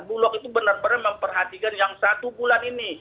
bulog itu benar benar memperhatikan yang satu bulan ini